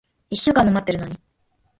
一週間も待ってるのに。